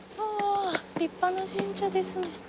立派な神社ですね。